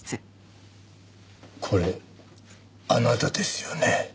これあなたですよね？